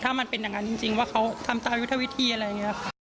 ถ้ามันเป็นอย่างนั้นจริงว่าเขาทำตามยุทธวิธีอะไรอย่างนี้ค่ะ